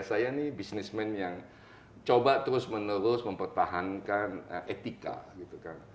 saya nih bisnismen yang coba terus menerus mempertahankan etika gitu kan